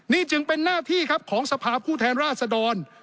นี่จึงเป็นหน้าที่ครับของสภาพผู้แทนราชดร